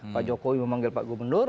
pak jokowi memanggil pak gubernur